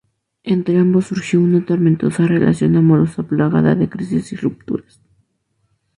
Entre ambos surgió una tormentosa relación amorosa plagada de crisis y rupturas.